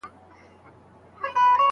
زه د غزل نازک ـ نازک بدن په خيال کې ساتم